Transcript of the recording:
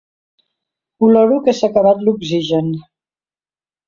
Oloro que s'ha acabat l'oxigen.